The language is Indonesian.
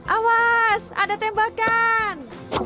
awas ada tembakan